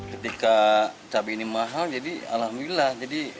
ketika cabai ini mahal jadi alhamdulillah